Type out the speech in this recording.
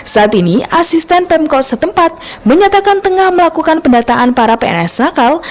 saat ini asisten pemkot setempat menyatakan tengah melakukan pendataan para pns nakal